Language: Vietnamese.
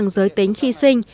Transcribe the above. bằng giới tính khi sinh